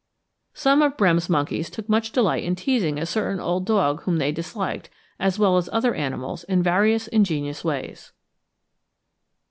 Some of Brehm's monkeys took much delight in teasing a certain old dog whom they disliked, as well as other animals, in various ingenious ways.